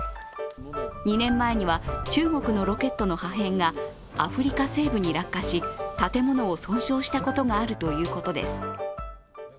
２年前には、中国のロケットの破片がアフリカ西部に落下し建物を損傷したことがあるということです。